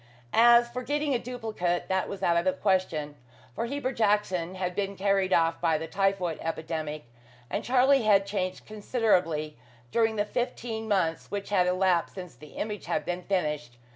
As for getting a duplicate, that was out of the question, for Heber Jackson had been carried off by the typhoid epidemic, and Charlie had changed considerably during the fifteen months which had elapsed since the image had been finished.